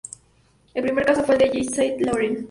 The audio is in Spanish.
El primer caso fue el de Yves Saint Laurent.